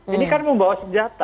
ini kan membawa senjata